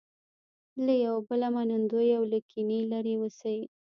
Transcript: له یو بله منندوی او له کینې لرې اوسي.